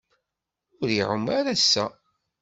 Ur iɛum ara ass-a.